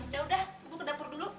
yaudah gue ke dapur dulu